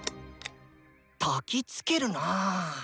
たきつけるな。